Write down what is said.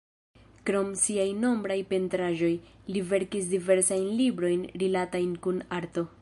Krom siaj nombraj pentraĵoj, li verkis diversajn librojn rilatajn kun arto.